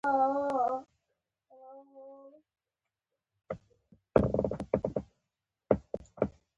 د کونړ په څوکۍ کې د څه شي نښې دي؟